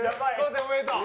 生おめでとう！